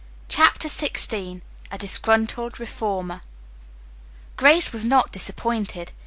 CHAPTER XVI A DISGRUNTLED REFORMER Grace was not disappointed.